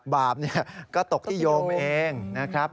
บาปก็ตกที่โยมเองนะครับ